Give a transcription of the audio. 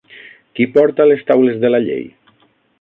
Qui porta les taules de la llei?